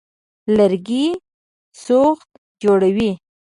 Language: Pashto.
لرګي سوخت جوړوي.